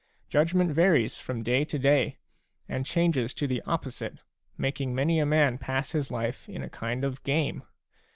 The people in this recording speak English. Judgment varies from day to day, and changes to the opposite, making many a man pass his life in a kind of game.